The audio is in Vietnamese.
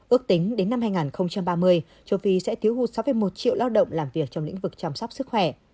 ước tính đến năm hai nghìn ba mươi châu phi sẽ thiếu hụt sáu một triệu lao động làm việc trong lĩnh vực chăm sóc sức khỏe